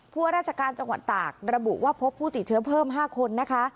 พวกราชการจังหวัดตากระบุว่าพบผู้ติดเชื้อเพิ่ม๕คนนะคะ